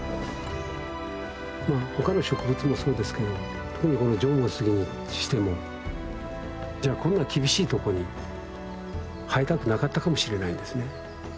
他の植物もそうですけど特にこの縄文杉にしてもじゃあこんな厳しいとこに生えたくなかったかもしれないんですね。